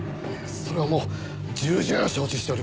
それはもう重々承知しております。